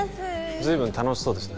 随分楽しそうですね